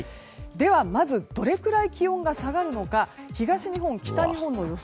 まず、どれくらい気温が下がるのか東日本、北日本の予想